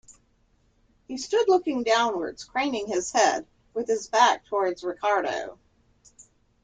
He stood looking downwards, craning his head, with his back towards Ricardo.